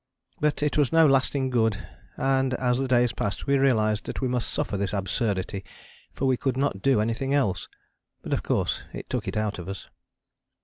But it was no lasting good, and as the days passed we realized that we must suffer this absurdity, for we could not do anything else. But of course it took it out of us.